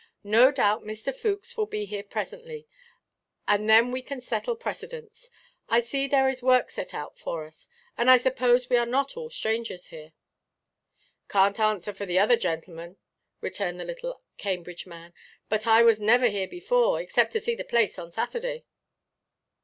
No doubt Mr. Fookes will be here presently, and then we can settle precedence. I see there is work set out for us; and I suppose we are not all strangers here." "Canʼt answer for the other gentlemen," returned the little Cambridge man, "but I was never here before, except to see the place on Saturday."